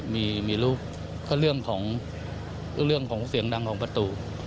มีรูปก็เรื่องของเรื่องของเสียงดังของประตู